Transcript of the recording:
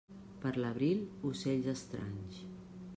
Per l'abril, ocells estranys.